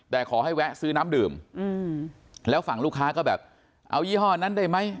แต่ขอให้แวะซื้อน้ำดื่มแล้วฝั่งลูกค้าก็แบบเอายี่ห้อนั้นได้ไหม